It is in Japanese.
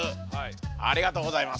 ありがとうございます。